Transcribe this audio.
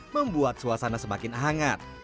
membuat suasana semakin hangat